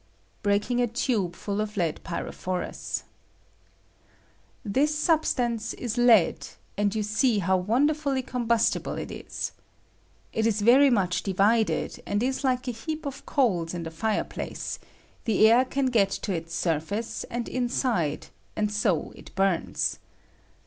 [Breaking a tube full of lead pyrophorus.] This substance is lead, and you see how wonderfully combustible it is. It ia very much divided, and is like a heap of coals in the fireplace : the air can get to its surface and inside, and so it burns.